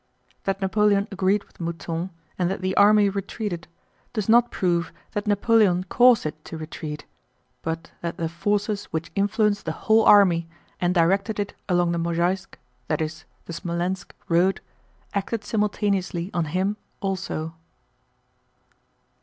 That Napoleon agreed with Mouton, and that the army retreated, does not prove that Napoleon caused it to retreat, but that the forces which influenced the whole army and directed it along the Mozháysk (that is, the Smolénsk) road acted simultaneously on him also.